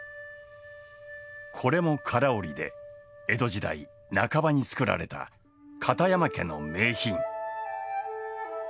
これも唐織で江戸時代半ばに作られた片山家の名品。